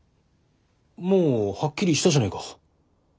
もうはっきりしたじゃねえか。